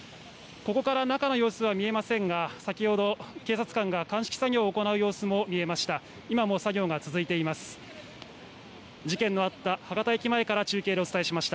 ここから中の様子は見えませんが先ほど警察官が鑑識作業を行う様子も見えました。